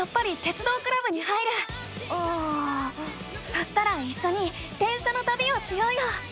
そしたらいっしょに電車のたびをしようよ！